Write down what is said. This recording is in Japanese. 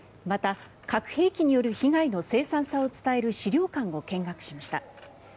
また、核兵器による被害のせい惨さを伝える資料館を見学しました。